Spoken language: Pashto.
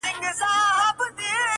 • ډېر نا اهله بد کرداره او بد خوی ؤ..